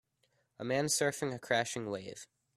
A man surfing a crashing wave.